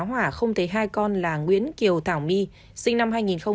lá hỏa không thấy hai con là nguyễn kiều thảo my sinh năm hai nghìn một mươi bảy